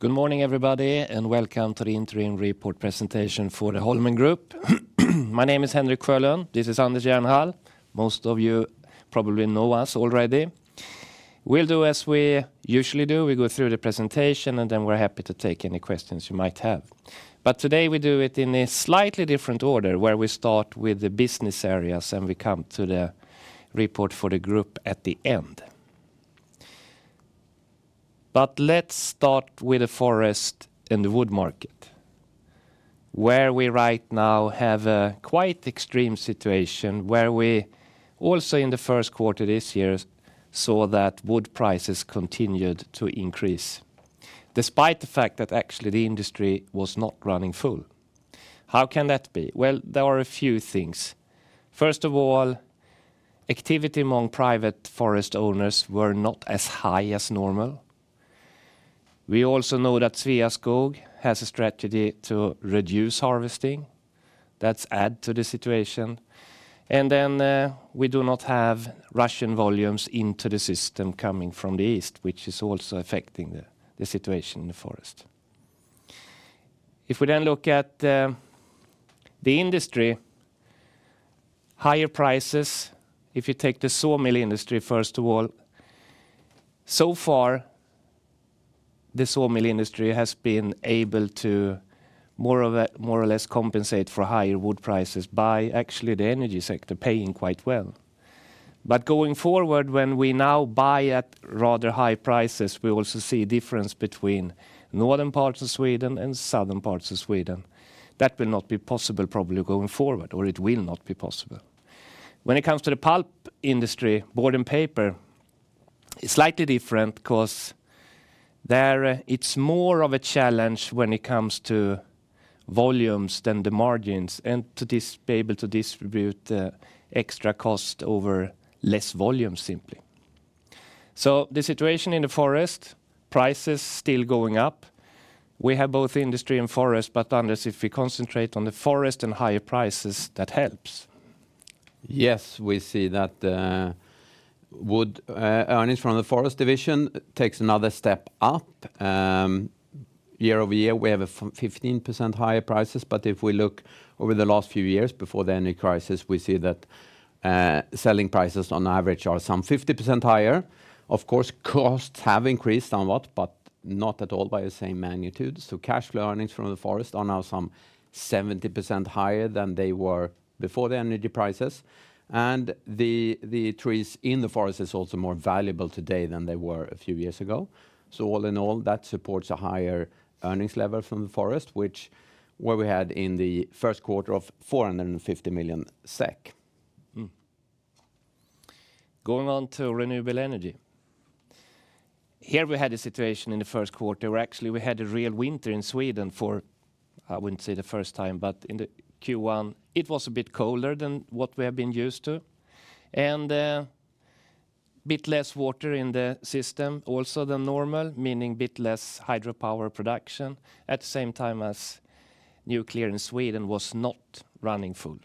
Good morning, everybody, and welcome to the interim report presentation for the Holmen Group. My name is Henrik Sjölund, this is Anders Jernhall. Most of you probably know us already. We'll do as we usually do: we go through the presentation, and then we're happy to take any questions you might have. But today we do it in a slightly different order, where we start with the business areas and we come to the report for the group at the end. But let's start with the forest and the wood market, where we right now have a quite extreme situation, where we also in the Q1 this year saw that wood prices continued to increase, despite the fact that actually the industry was not running full. How can that be? Well, there are a few things. First of all, activity among private forest owners were not as high as normal. We also know that Sveaskog has a strategy to reduce harvesting. That's added to the situation. And then we do not have Russian volumes into the system coming from the east, which is also affecting the situation in the forest. If we then look at the industry, higher prices, if you take the sawmill industry, first of all, so far the sawmill industry has been able to more or less compensate for higher wood prices by actually the energy sector paying quite well. But going forward, when we now buy at rather high prices, we also see a difference between northern parts of Sweden and southern parts of Sweden. That will not be possible, probably, going forward, or it will not be possible. When it comes to the pulp industry, board and paper, it's slightly different because there it's more of a challenge when it comes to volumes than the margins, and to be able to distribute the extra cost over less volume, simply. So the situation in the forest: prices still going up. We have both industry and forest, but Anders, if we concentrate on the forest and higher prices, that helps. Yes, we see that wood earnings from the forest division takes another step up. Year-over-year we have 15% higher prices, but if we look over the last few years before the energy crisis, we see that selling prices on average are some 50% higher. Of course, costs have increased somewhat, but not at all by the same magnitude. So cash flow earnings from the forest are now some 70% higher than they were before the energy prices. And the trees in the forest are also more valuable today than they were a few years ago. So all in all, that supports a higher earnings level from the forest, which we had in the Q1 of 450 million SEK. Going on to renewable energy. Here we had a situation in the Q1 where actually we had a real winter in Sweden for, I wouldn't say the first time, but in the Q1 it was a bit colder than what we have been used to. And a bit less water in the system also than normal, meaning a bit less hydropower production at the same time as nuclear in Sweden was not running full.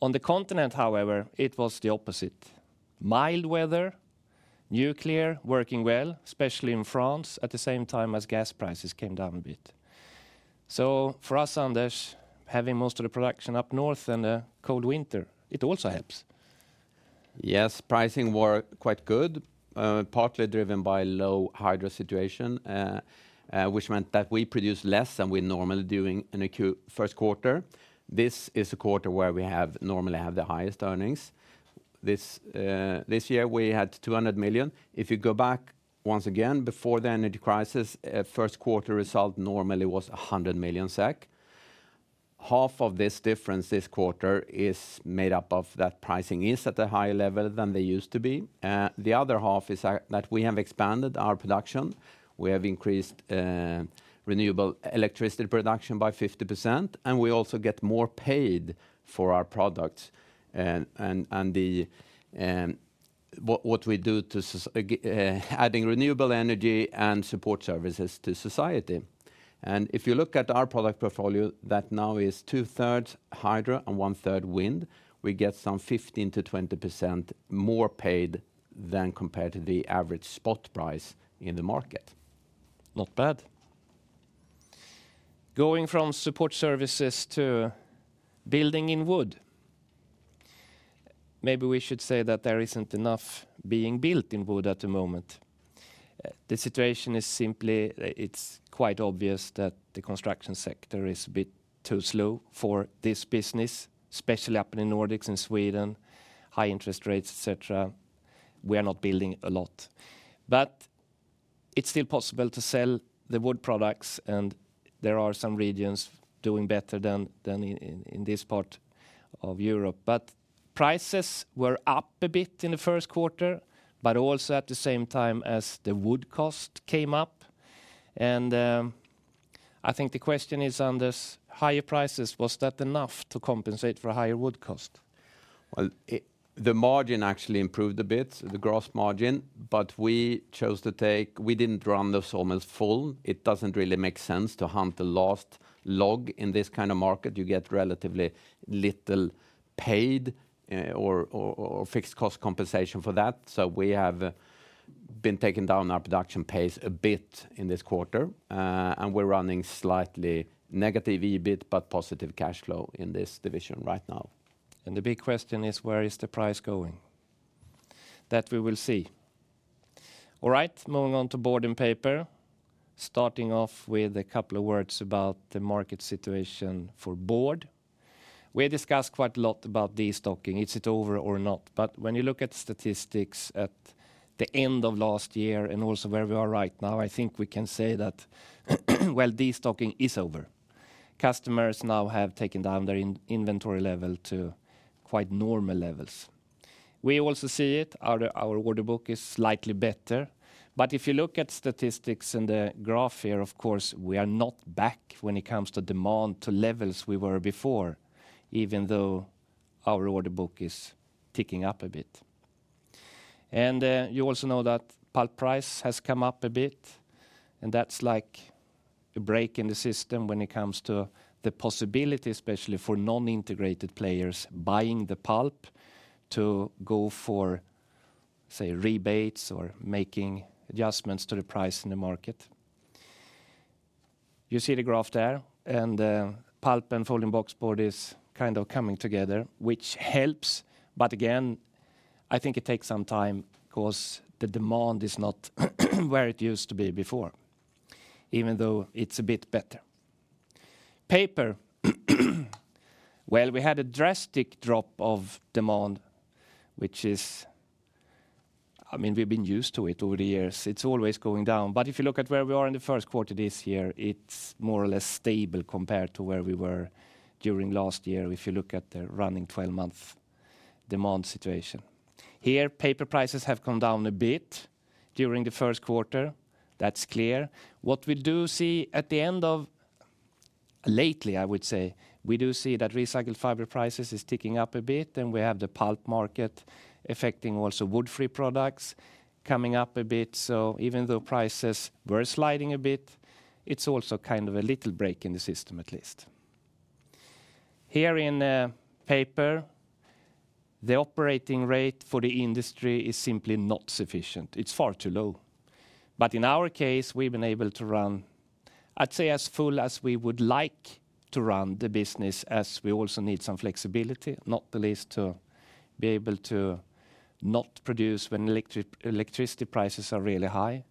On the continent, however, it was the opposite: mild weather, nuclear working well, especially in France, at the same time as gas prices came down a bit. So for us, Anders, having most of the production up north and a cold winter, it also helps. Yes, pricing were quite good, partly driven by low hydro situation, which meant that we produced less than we normally do in a Q1. This is a quarter where we normally have the highest earnings. This year we had 200 million. If you go back once again, before the energy crisis, Q1 result normally was 100 million SEK. Half of this difference this quarter is made up of that pricing is at a higher level than they used to be. The other half is that we have expanded our production. We have increased renewable electricity production by 50%, and we also get more paid for our products and what we do to adding renewable energy and support services to society. And if you look at our product portfolio, that now is two-thirds hydro and one-third wind. We get some 15%-20% more paid than compared to the average spot price in the market. Not bad. Going from support services to building in wood, maybe we should say that there isn't enough being built in wood at the moment. The situation is simply it's quite obvious that the construction sector is a bit too slow for this business, especially happening in the Nordics, in Sweden, high interest rates, etc. We are not building a lot. But it's still possible to sell the wood products, and there are some regions doing better than in this part of Europe. But prices were up a bit in the Q1, but also at the same time as the wood cost came up. And I think the question is, Anders, higher prices, was that enough to compensate for a higher wood cost? Well, the margin actually improved a bit, the gross margin, but we chose to take. We didn't run the sawmills full. It doesn't really make sense to hunt the last log in this kind of market. You get relatively little paid or fixed cost compensation for that. So we have been taking down our production pace a bit in this quarter, and we're running slightly negative EBIT but positive cash flow in this division right now. The big question is where is the price going? That we will see. All right, moving on to board and paper, starting off with a couple of words about the market situation for board. We discussed quite a lot about destocking. Is it over or not? But when you look at statistics at the end of last year and also where we are right now, I think we can say that, well, destocking is over. Customers now have taken down their inventory level to quite normal levels. We also see it. Our order book is slightly better. But if you look at statistics and the graph here, of course, we are not back when it comes to demand to levels we were before, even though our order book is ticking up a bit. You also know that pulp price has come up a bit, and that's like a break in the system when it comes to the possibility, especially for non-integrated players buying the pulp to go for, say, rebates or making adjustments to the price in the market. You see the graph there, and pulp and folding box board is kind of coming together, which helps. But again, I think it takes some time because the demand is not where it used to be before, even though it's a bit better. Paper, well, we had a drastic drop of demand, which is, I mean, we've been used to it over the years. It's always going down. If you look at where we are in the Q1 this year, it's more or less stable compared to where we were during last year if you look at the running 12-month demand situation. Here, paper prices have come down a bit during the Q1. That's clear. What we do see at the end of lately, I would say, we do see that recycled fiber prices are ticking up a bit, and we have the pulp market affecting also wood-free products coming up a bit. Even though prices were sliding a bit, it's also kind of a little break in the system, at least. Here in paper, the operating rate for the industry is simply not sufficient. It's far too low. But in our case, we've been able to run, I'd say, as full as we would like to run the business, as we also need some flexibility, not the least to be able to not produce when electricity prices are really high.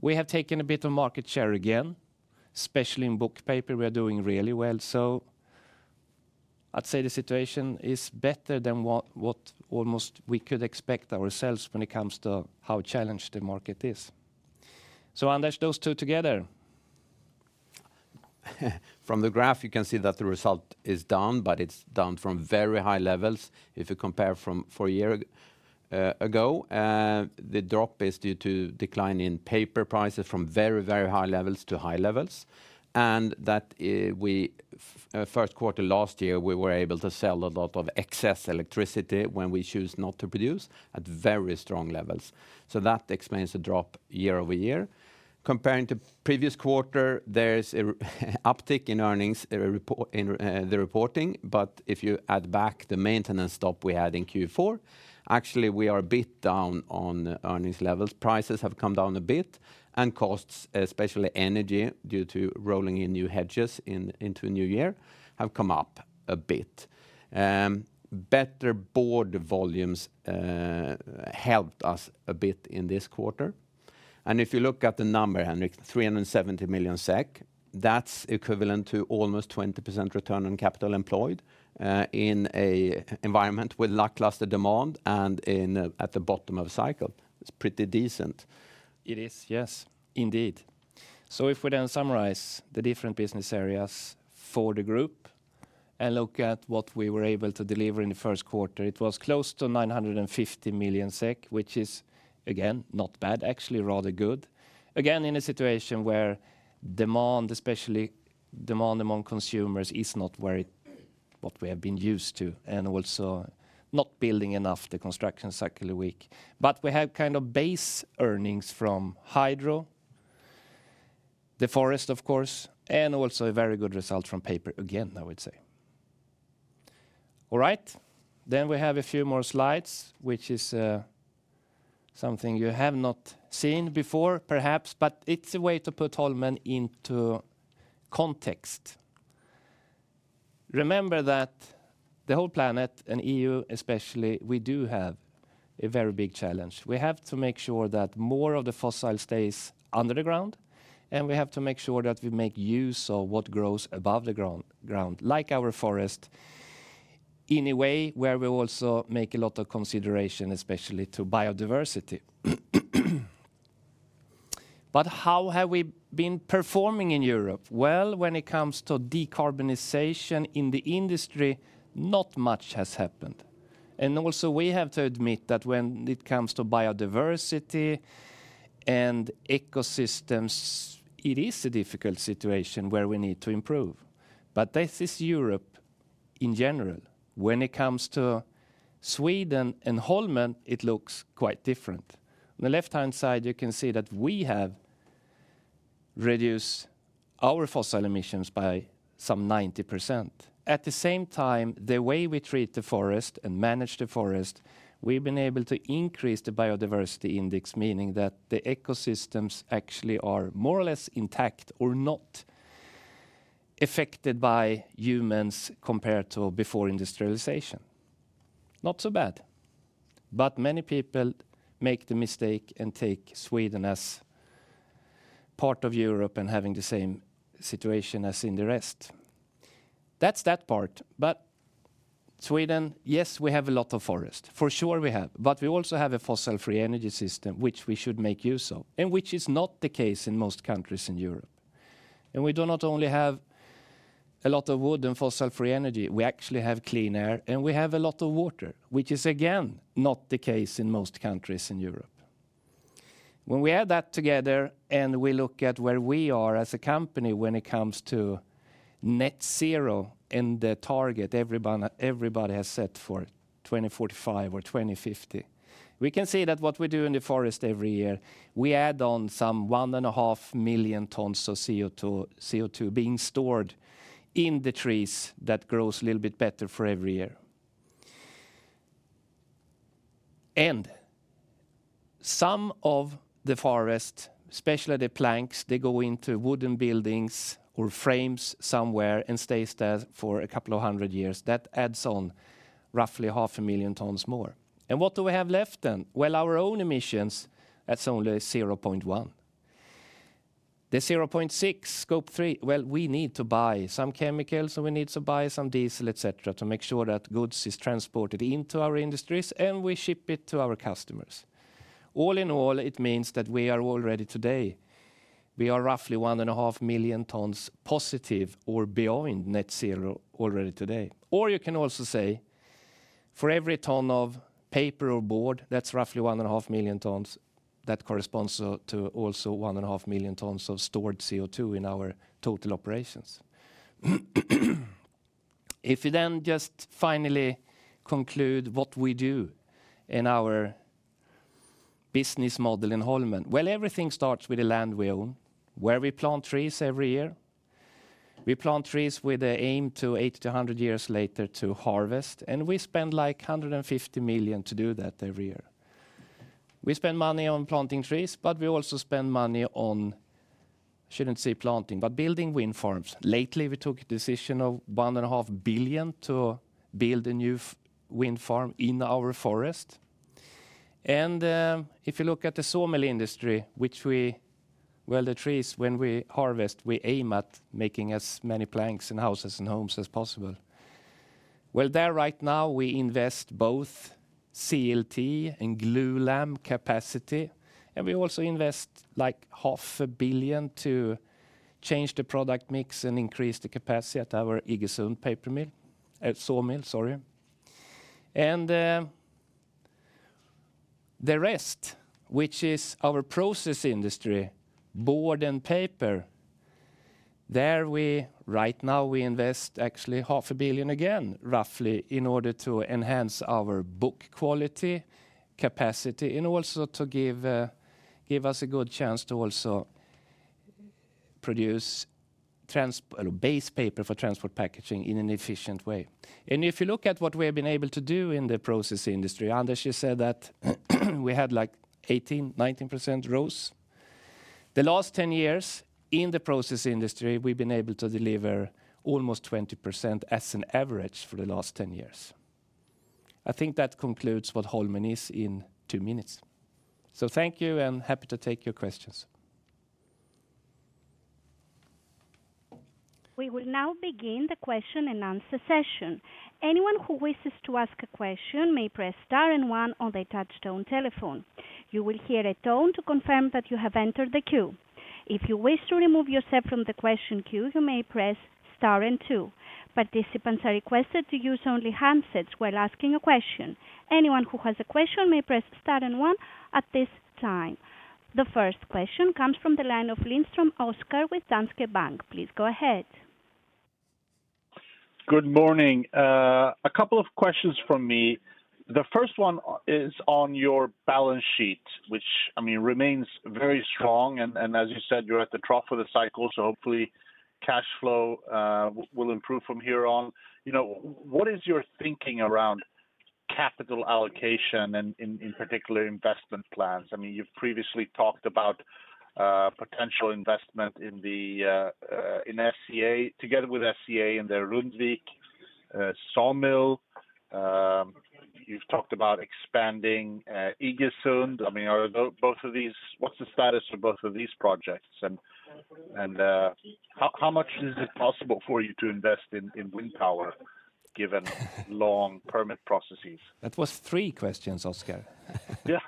We have taken a bit of market share again, especially in book paper. We are doing really well. So I'd say the situation is better than what almost we could expect ourselves when it comes to how challenged the market is. So Anders, those two together. From the graph, you can see that the result is down, but it's down from very high levels if you compare from 4 years ago. The drop is due to a decline in paper prices from very, very high levels to high levels. And that we Q1 last year, we were able to sell a lot of excess electricity when we chose not to produce at very strong levels. So that explains the drop year-over-year. Comparing to the previous quarter, there is an uptick in earnings in the reporting. But if you add back the maintenance stop we had in Q4, actually we are a bit down on earnings levels. Prices have come down a bit, and costs, especially energy due to rolling in new hedges into a new year, have come up a bit. Better board volumes helped us a bit in this quarter. If you look at the number, Henrik, 370 million SEK, that's equivalent to almost 20% return on capital employed in an environment with lackluster demand and at the bottom of a cycle. It's pretty decent. It is, yes, indeed. So if we then summarize the different business areas for the group and look at what we were able to deliver in the Q1, it was close to 950 million SEK, which is, again, not bad, actually rather good. Again, in a situation where demand, especially demand among consumers, is not where it what we have been used to and also not building enough the construction cycle is weak. But we have kind of base earnings from hydro, the forest, of course, and also a very good result from paper again, I would say. All right, then we have a few more slides, which is something you have not seen before, perhaps, but it's a way to put Holmen into context. Remember that the whole planet and EU especially, we do have a very big challenge. We have to make sure that more of the fossil stays under the ground, and we have to make sure that we make use of what grows above the ground, like our forest, in a way where we also make a lot of consideration, especially to biodiversity. But how have we been performing in Europe? Well, when it comes to decarbonization in the industry, not much has happened. Also we have to admit that when it comes to biodiversity and ecosystems, it is a difficult situation where we need to improve. But this is Europe in general. When it comes to Sweden and Holmen, it looks quite different. On the left-hand side, you can see that we have reduced our fossil emissions by some 90%. At the same time, the way we treat the forest and manage the forest, we've been able to increase the biodiversity index, meaning that the ecosystems actually are more or less intact or not affected by humans compared to before industrialization. Not so bad. But many people make the mistake and take Sweden as part of Europe and having the same situation as in the rest. That's that part. But Sweden, yes, we have a lot of forest. For sure we have. But we also have a fossil-free energy system, which we should make use of, and which is not the case in most countries in Europe. And we do not only have a lot of wood and fossil-free energy. We actually have clean air, and we have a lot of water, which is, again, not the case in most countries in Europe. When we add that together and we look at where we are as a company when it comes to net zero and the target everybody has set for 2045 or 2050, we can see that what we do in the forest every year, we add on some 1.5 million tons of CO2 being stored in the trees that grows a little bit better for every year. And some of the forest, especially the planks, they go into wooden buildings or frames somewhere and stay there for a couple of hundred years. That adds on roughly 0.5 million tons more. And what do we have left then? Well, our own emissions are only 0.1. The 0.6, Scope 3, well, we need to buy some chemicals, and we need to buy some diesel, etc., to make sure that goods are transported into our industries, and we ship it to our customers. All in all, it means that we are already today, we are roughly 1.5 million tons positive or beyond net zero already today. Or you can also say for every ton of paper or board, that's roughly 1.5 million tons. That corresponds to also 1.5 million tons of stored CO2 in our total operations. If you then just finally conclude what we do in our business model in Holmen, well, everything starts with the land we own, where we plant trees every year. We plant trees with the aim to 80-100 years later to harvest, and we spend like 150 million to do that every year. We spend money on planting trees, but we also spend money on I shouldn't say planting, but building wind farms. Lately, we took a decision of 1.5 billion to build a new wind farm in our forest. And if you look at the sawmill industry, which we well, the trees, when we harvest, we aim at making as many planks and houses and homes as possible. Well, there right now, we invest both CLT and glulam capacity, and we also invest like 500 million to change the product mix and increase the capacity at our Iggesund paper mill sawmill, sorry. The rest, which is our process industry, board and paper, there we right now, we invest actually 500 million again, roughly, in order to enhance our book quality capacity and also to give us a good chance to also produce base paper for transport packaging in an efficient way. If you look at what we have been able to do in the process industry, Anders, you said that we had like 18%-19% growth. The last 10 years in the process industry, we've been able to deliver almost 20% as an average for the last 10 years. I think that concludes what Holmen is in two minutes. So thank you, and happy to take your questions. We will now begin the question and answer session. Anyone who wishes to ask a question may press star and one on the touch-tone telephone. You will hear a tone to confirm that you have entered the queue. If you wish to remove yourself from the question queue, you may press star and two. Participants are requested to use only handsets while asking a question. Anyone who has a question may press star and one at this time. The first question comes from the line of Lindström, Oskar with Danske Bank. Please go ahead. Good morning. A couple of questions from me. The first one is on your balance sheet, which, I mean, remains very strong. And as you said, you're at the trough of the cycle, so hopefully cash flow will improve from here on. What is your thinking around capital allocation and in particular investment plans? I mean, you've previously talked about potential investment in SCA together with SCA and their Rundvik sawmill. You've talked about expanding Iggesund. I mean, are both of these? What's the status of both of these projects? And how much is it possible for you to invest in wind power given long permit processes? That was three questions, Oskar. Yeah.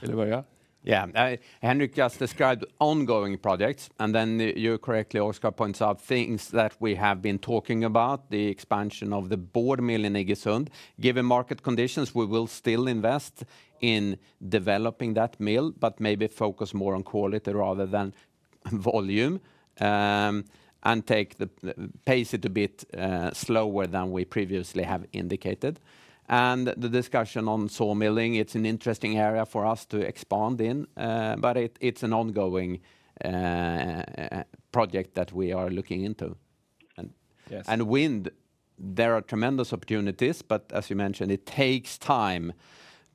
Will you go ahead? Yeah. Henrik just described ongoing projects, and then you correctly, Oskar, points out things that we have been talking about, the expansion of the board mill in Iggesund. Given market conditions, we will still invest in developing that mill, but maybe focus more on quality rather than volume and take the pace a bit slower than we previously have indicated. And the discussion on sawmilling, it's an interesting area for us to expand in, but it's an ongoing project that we are looking into. And wind, there are tremendous opportunities, but as you mentioned, it takes time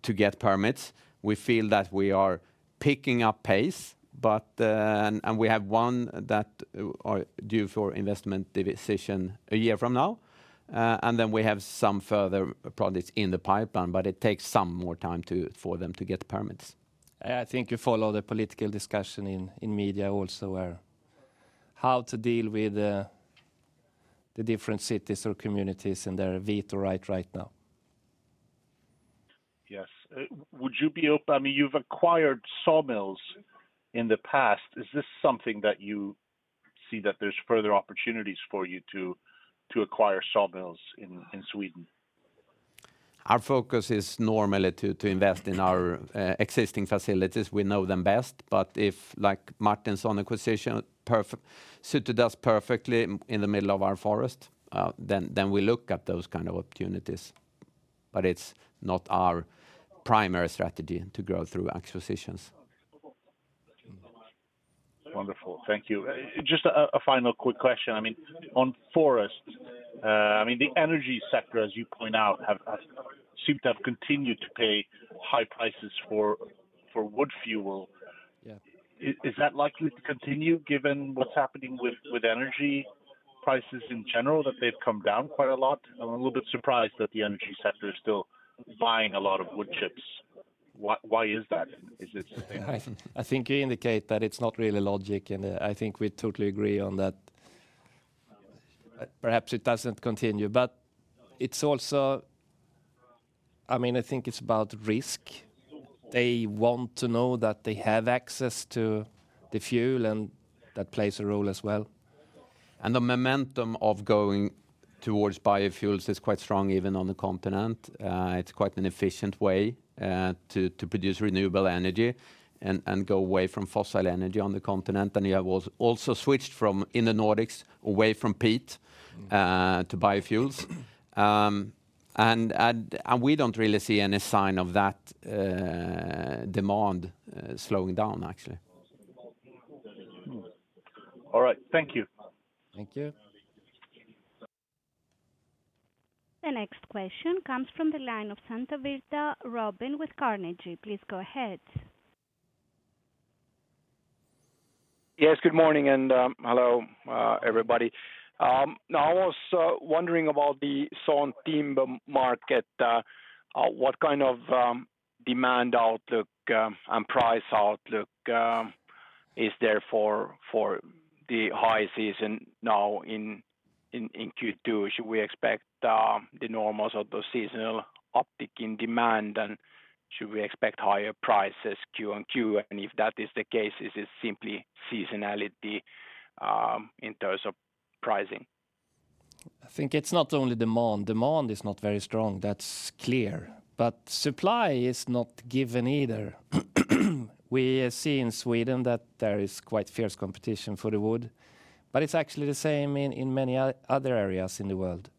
to get permits. We feel that we are picking up pace, but and we have one that are due for investment decision a year from now. And then we have some further projects in the pipeline, but it takes some more time for them to get permits. I think you follow the political discussion in media also where how to deal with the different cities or communities and their veto right now. Yes. Would you be open? I mean, you've acquired sawmills in the past. Is this something that you see that there's further opportunities for you to acquire sawmills in Sweden? Our focus is normally to invest in our existing facilities. We know them best. But if like Martinsons acquisition suited us perfectly in the middle of our forest, then we look at those kind of opportunities. But it's not our primary strategy to grow through acquisitions. Wonderful. Thank you. Just a final quick question. I mean, on forest, I mean, the energy sector, as you point out, seem to have continued to pay high prices for wood fuel. Is that likely to continue given what's happening with energy prices in general that they've come down quite a lot? I'm a little bit surprised that the energy sector is still buying a lot of wood chips. Why is that? Is it something? I think you indicate that it's not really logical, and I think we totally agree on that. Perhaps it doesn't continue. But it's also, I mean, I think it's about risk. They want to know that they have access to the fuel, and that plays a role as well. The momentum of going towards biofuels is quite strong even on the continent. It's quite an efficient way to produce renewable energy and go away from fossil energy on the continent. You have also switched from in the Nordics, away from peat to biofuels. We don't really see any sign of that demand slowing down, actually. All right. Thank you. Thank you. The next question comes from the line of Santavirta, Robin with Carnegie. Please go ahead. Yes, good morning and hello, everybody. I was wondering about the sawn timber market. What kind of demand outlook and price outlook is there for the high season now in Q2? Should we expect the normals of the seasonal uptick in demand, and should we expect higher prices Q on Q? And if that is the case, is it simply seasonality in terms of pricing? I think it's not only demand. Demand is not very strong. That's clear. But supply is not given either. We see in Sweden that there is quite fierce competition for the wood, but it's actually the same in many other areas in the world.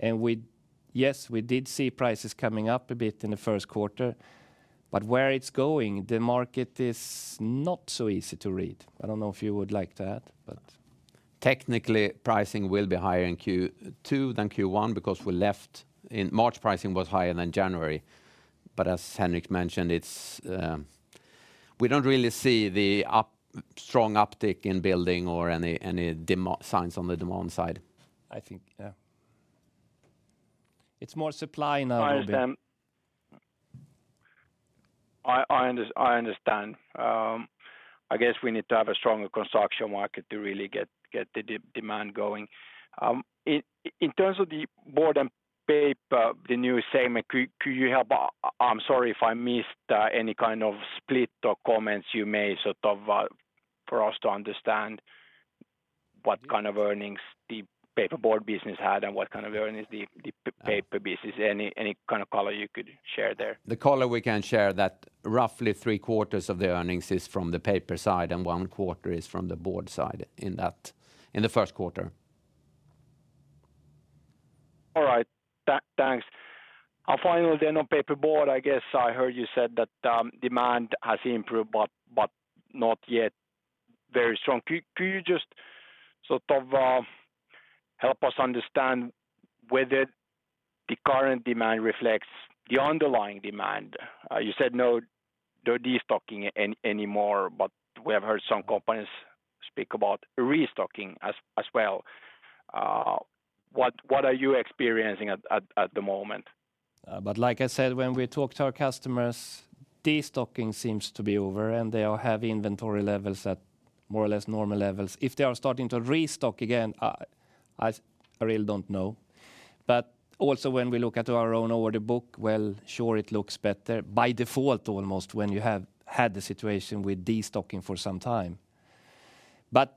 And yes, we did see prices coming up a bit in the Q1. But where it's going, the market is not so easy to read. I don't know if you would like to add, but. Technically, pricing will be higher in Q2 than Q1 because we left in March pricing was higher than January. But as Henrik mentioned, we don't really see the strong uptick in building or any signs on the demand side. I think, yeah. It's more supply now a little bit. I understand. I guess we need to have a stronger construction market to really get the demand going. In terms of the paperboard and paper, the new segment, could you help? I'm sorry if I missed any kind of split or comments you made sort of for us to understand what kind of earnings the paperboard business had and what kind of earnings the paper business any kind of color you could share there? The color we can share that roughly three quarters of the earnings is from the paper side and one quarter is from the board side in the Q1. All right. Thanks. Our final question on paperboard, I guess I heard you said that demand has improved but not yet very strong. Could you just sort of help us understand whether the current demand reflects the underlying demand? You said no destocking anymore, but we have heard some companies speak about restocking as well. What are you experiencing at the moment? But like I said, when we talk to our customers, destocking seems to be over, and they have inventory levels at more or less normal levels. If they are starting to restock again, I really don't know. But also when we look at our own order book, well, sure, it looks better by default almost when you have had the situation with destocking for some time. But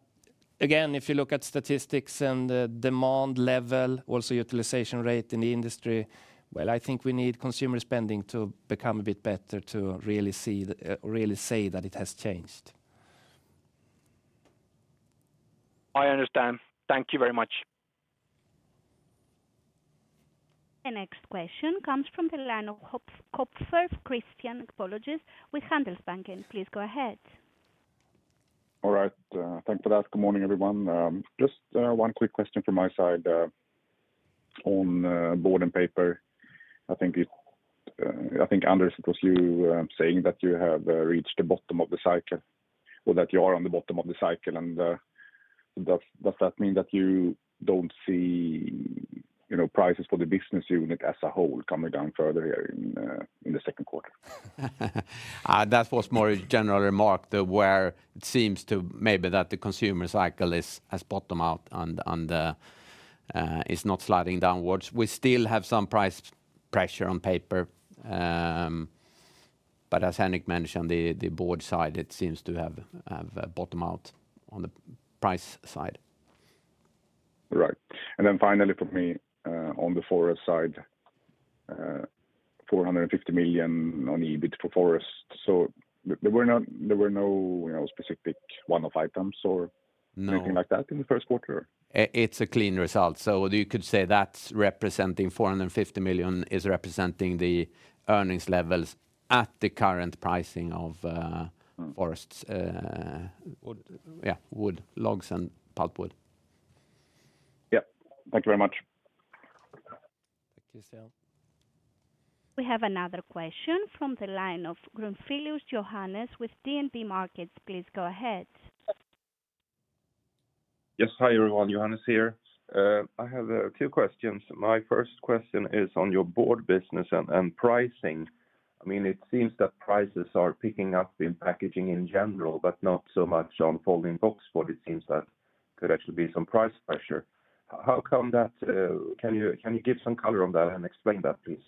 again, if you look at statistics and demand level, also utilization rate in the industry, well, I think we need consumer spending to become a bit better to really see or really say that it has changed. I understand. Thank you very much. The next question comes from the line of Kopfer, Christian, analyst with Handelsbanken. Please go ahead. All right. Thanks for that. Good morning, everyone. Just one quick question from my side on board and paper. I think Anders, it was you saying that you have reached the bottom of the cycle or that you are on the bottom of the cycle. Does that mean that you don't see prices for the business unit as a whole coming down further here in the Q2? That was more a general remark where it seems to maybe that the consumer cycle is bottom out and is not sliding downwards. We still have some price pressure on paper. But as Henrik mentioned, the board side, it seems to have bottom out on the price side. Right. Then finally from me on the forest side, 450 million on EBIT for forest. There were no specific one-off items or anything like that in the Q1, or? It's a clean result. So you could say that's representing 450 million is representing the earnings levels at the current pricing of forests, yeah, wood logs and pulp wood. Yeah. Thank you very much. Thank you, Christian. We have another question from the line of Grunselius, Johannes with DNB Markets. Please go ahead. Yes. Hi, everyone. Johannes here. I have two questions. My first question is on your board business and pricing. I mean, it seems that prices are picking up in packaging in general, but not so much on folding box board. It seems that could actually be some price pressure. How come that? Can you give some color on that and explain that, please?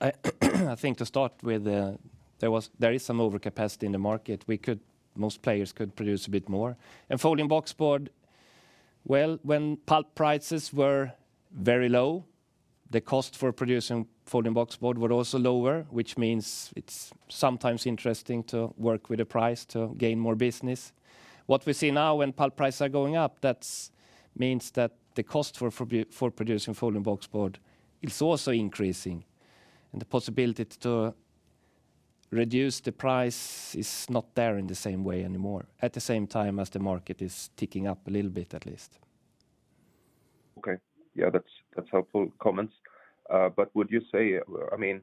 I think to start with, there is some overcapacity in the market. Most players could produce a bit more. Folding box board, well, when pulp prices were very low, the cost for producing folding box board was also lower, which means it's sometimes interesting to work with a price to gain more business. What we see now when pulp prices are going up, that means that the cost for producing folding box board is also increasing. The possibility to reduce the price is not there in the same way anymore at the same time as the market is ticking up a little bit at least. Okay. Yeah, that's helpful comments. But would you say—I mean,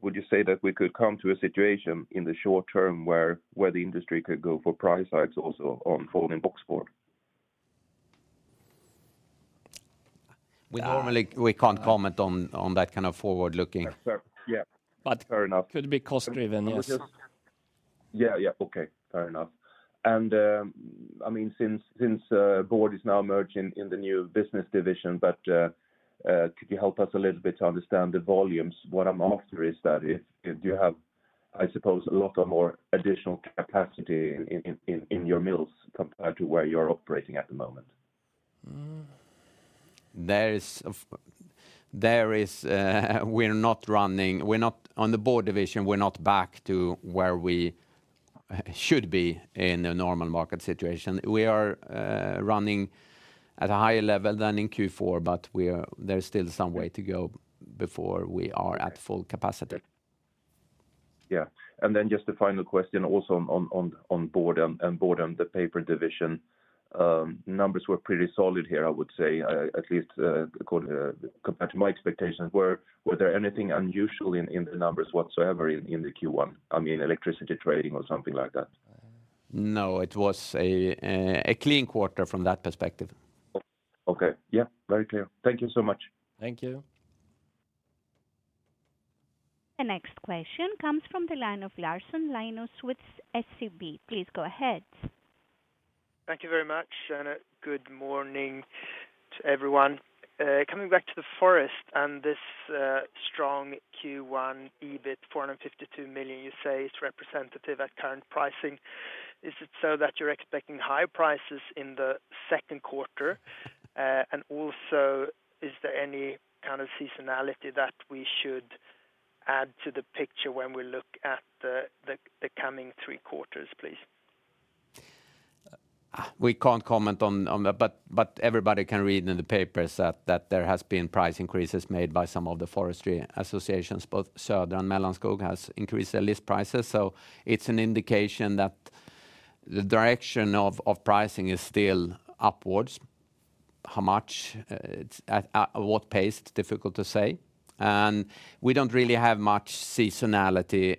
would you say—that we could come to a situation in the short term where the industry could go for price hikes also on folding box board? We can't comment on that kind of forward-looking. Fair enough. But could be cost-driven, yes. Yeah, yeah. Okay. Fair enough. And I mean, since board is now merging in the new business division, but could you help us a little bit to understand the volumes? What I'm after is that do you have, I suppose, a lot of more additional capacity in your mills compared to where you're operating at the moment? We're not running in the board division, we're not back to where we should be in a normal market situation. We are running at a higher level than in Q4, but there's still some way to go before we are at full capacity. Yeah. Then just a final question also on board and the paper division. Numbers were pretty solid here, I would say, at least according to my expectations. Were there anything unusual in the numbers whatsoever in the Q1? I mean, electricity trading or something like that? No, it was a clean quarter from that perspective. Okay. Yeah, very clear. Thank you so much. Thank you. The next question comes from the line of Larsson, Linus with SEB. Please go ahead. Thank you very much, Henrik. Good morning to everyone. Coming back to the forest and this strong Q1 EBIT, 452 million, you say is representative at current pricing. Is it so that you're expecting higher prices in the Q2? And also is there any kind of seasonality that we should add to the picture when we look at the coming three quarters, please? We can't comment on that, but everybody can read in the papers that there have been price increases made by some of the forestry associations. Both Södra and Mellanskog has increased their list prices. So it's an indication that the direction of pricing is still upwards. How much? At what pace? Difficult to say. And we don't really have much seasonality.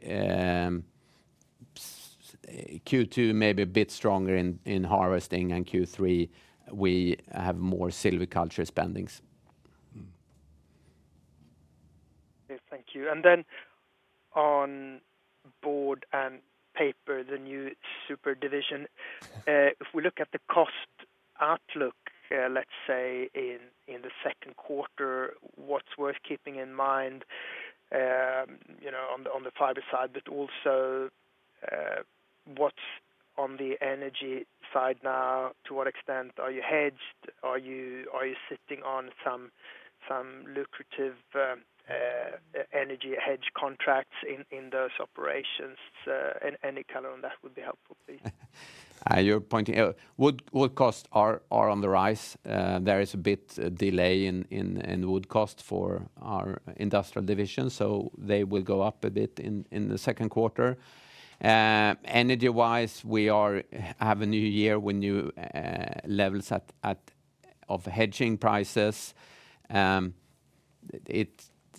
Q2 may be a bit stronger in harvesting and Q3 we have more silviculture spendings. Thank you. Then on board and paper, the new super division, if we look at the cost outlook, let's say in the Q2, what's worth keeping in mind on the fiber side, but also what's on the energy side now? To what extent are you hedged? Are you sitting on some lucrative energy hedge contracts in those operations? Any color on that would be helpful, please. You're pointing out wood costs are on the rise. There is a bit delay in wood costs for our industrial division, so they will go up a bit in the Q2. Energy-wise, we have a new year with new levels of hedging prices.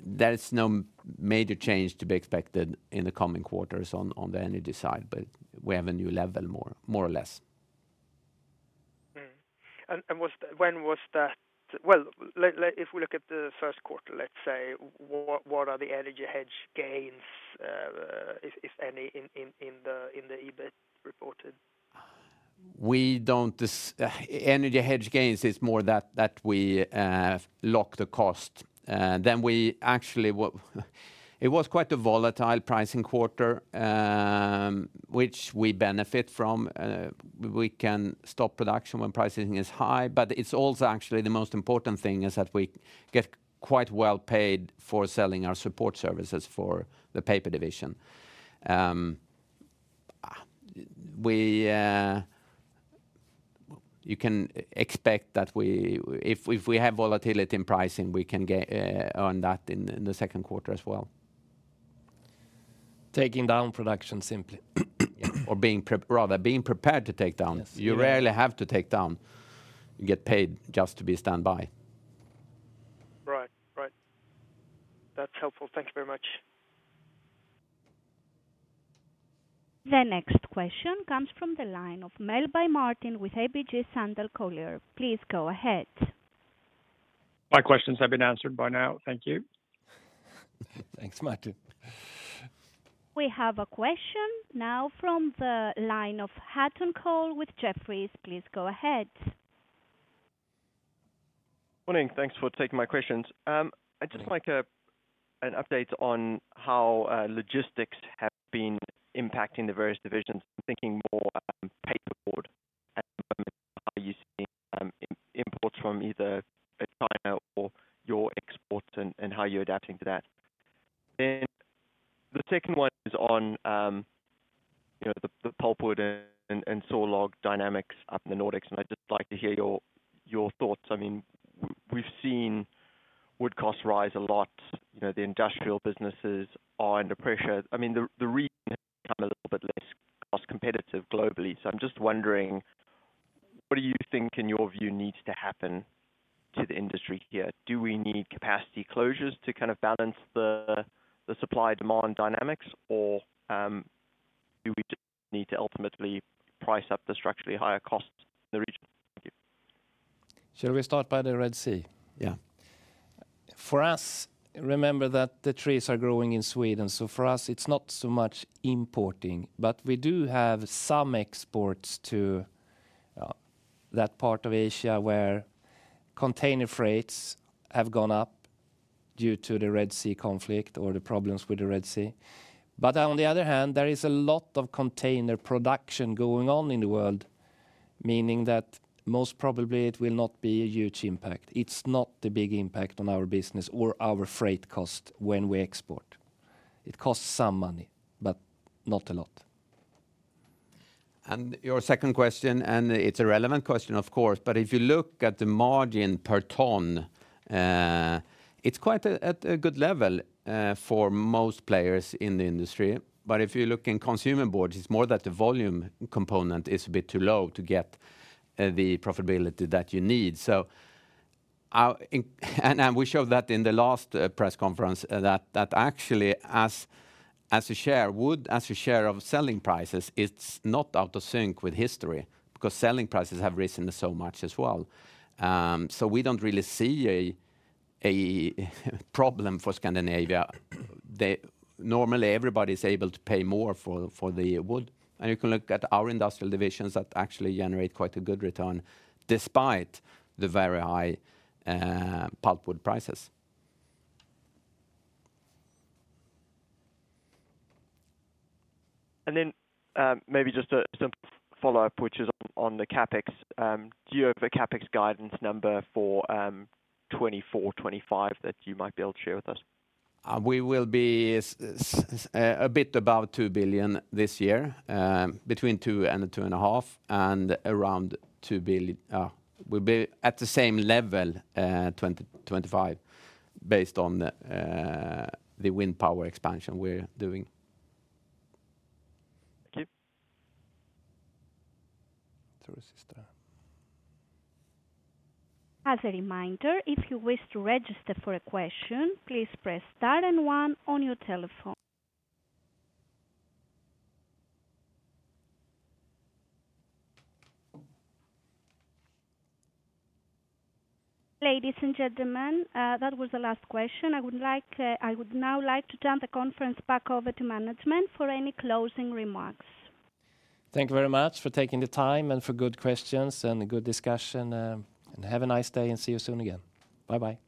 There is no major change to be expected in the coming quarters on the energy side, but we have a new level more or less. When was that? Well, if we look at the Q1, let's say, what are the energy hedge gains, if any, in the EBIT reported? Energy hedge gains is more that we lock the cost. Then, actually, it was quite a volatile pricing quarter, which we benefit from. We can stop production when pricing is high. But it's also actually the most important thing is that we get quite well paid for selling our support services for the paper division. You can expect that if we have volatility in pricing, we can earn that in the Q2 as well. Taking down production simply. Or rather, being prepared to take down. You rarely have to take down. You get paid just to be standby. Right. Right. That's helpful. Thank you very much. The next question comes from the line of Melbye, Martin with ABG Sundal Collier. Please go ahead. My questions have been answered by now. Thank you. Thanks, Martin. We have a question now from the line of Hathorn, Cole with Jefferies. Please go ahead. Good morning. Thanks for taking my questions. I'd just like an update on how logistics have been impacting the various divisions, thinking more paperboard at the moment, how you're seeing imports from either China or your exports and how you're adapting to that. Then the second one is on the pulp wood and saw log dynamics up in the Nordics. And I'd just like to hear your thoughts. I mean, we've seen wood costs rise a lot. The industrial businesses are under pressure. I mean, the region has become a little bit less cost-competitive globally. So I'm just wondering, what do you think, in your view, needs to happen to the industry here? Do we need capacity closures to kind of balance the supply-demand dynamics, or do we just need to ultimately price up the structurally higher costs in the region? Thank you. Shall we start by the Red Sea? Yeah. For us, remember that the trees are growing in Sweden. So for us, it's not so much importing, but we do have some exports to that part of Asia where container freights have gone up due to the Red Sea conflict or the problems with the Red Sea. But on the other hand, there is a lot of container production going on in the world, meaning that most probably it will not be a huge impact. It's not the big impact on our business or our freight cost when we export. It costs some money, but not a lot. And your second question, and it's a relevant question, of course, but if you look at the margin per ton, it's quite at a good level for most players in the industry. But if you look in consumer boards, it's more that the volume component is a bit too low to get the profitability that you need. We showed that in the last press conference, that actually, as a share of wood, as a share of selling prices, it's not out of sync with history because selling prices have risen so much as well. So we don't really see a problem for Scandinavia. Normally, everybody is able to pay more for the wood. You can look at our industrial divisions that actually generate quite a good return despite the very high pulp wood prices. And then maybe just a follow-up, which is on the CapEx. Do you have a CapEx guidance number for 2024, 2025 that you might be able to share with us? We will be a bit above 2 billion this year, between 2 billion and 2.5 billion, and around 2 billion. We'll be at the same level 2025 based on the wind power expansion we're doing. Thank you. As a reminder, if you wish to register for a question, please press star and one on your telephone. Ladies and gentlemen, that was the last question. I would now like to turn the conference back over to management for any closing remarks. Thank you very much for taking the time and for good questions and good discussion. Have a nice day and see you soon again. Bye-bye.